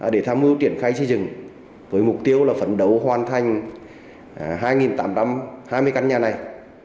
để tham mưu triển khai xây dựng với mục tiêu là phấn đấu hoàn thành hai tám trăm hai mươi căn nhà này